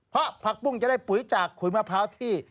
เพราะผักปุ้งจะได้ปุ๋ยจากขุยมะพร้าวที่